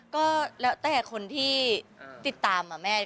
ก็แล้วแต่คนที่ติดตามกันแล้ว